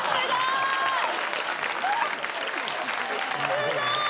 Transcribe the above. すごーい！